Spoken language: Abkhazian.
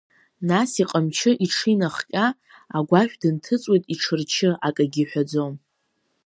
Нас, иҟамчы иҽы инахҟьа, агәашә дынҭыҵуеит иҽырчы, акагьы иҳәаӡом.